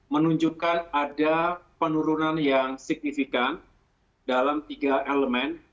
menunjukkan ada penurunan yang signifikan dalam tiga elemen